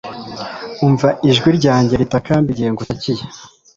Umva ijwi ryanjye ritakamba igihe ngutakiye